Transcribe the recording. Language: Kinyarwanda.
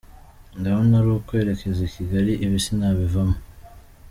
Ndabona ari ukwerekeza Kigali, ibi sinabivamo!